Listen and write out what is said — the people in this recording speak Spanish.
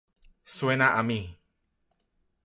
Suena a mí.